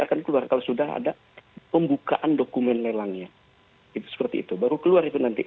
akan keluar kalau sudah ada pembukaan dokumen lelangnya itu seperti itu baru keluar itu nanti